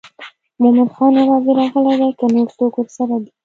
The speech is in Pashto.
مومن خان یوازې راغلی دی که نور څوک ورسره دي.